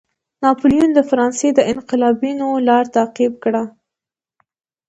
ناپلیون د فرانسې د انقلابینو لار تعقیب کړه.